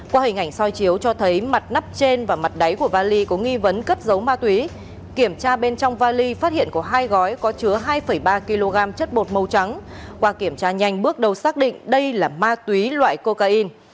qua hình ảnh soi chiếu cho thấy mặt nắp trên và mặt đáy của vali có nghi vấn cất dấu ma túy kiểm tra bên trong vali phát hiện có hai gói có chứa hai ba kg chất bột màu trắng qua kiểm tra nhanh bước đầu xác định đây là ma túy loại cocaine